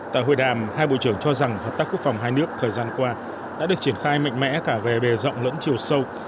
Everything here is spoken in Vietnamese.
tại hội đàm hai bộ trưởng cho rằng hợp tác quốc phòng hai nước thời gian qua đã được triển khai mạnh mẽ cả về bề rộng lẫn chiều sâu